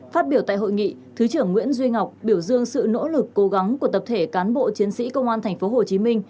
phát biểu tại hội nghị thứ trưởng nguyễn duy ngọc biểu dương sự nỗ lực cố gắng của tập thể cán bộ chiến sĩ công an tp hcm